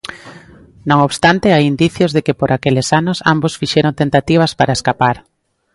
Non obstante, hai indicios de que por aqueles anos, ambos fixeron tentativas para escapar.